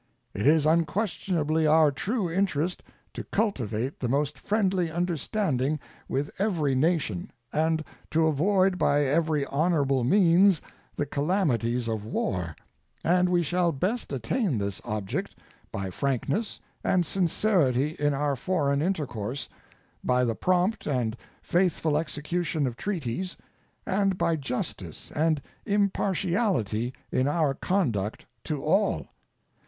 It is unquestionably our true interest to cultivate the most friendly understanding with every nation and to avoid by every honorable means the calamities of war, and we shall best attain this object by frankness and sincerity in our foreign intercourse, by the prompt and faithful execution of treaties, and by justice and impartiality in our conduct to all.